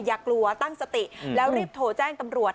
อย่ากลัวตั้งสติแล้วรีบโทรแจ้งตำรวจ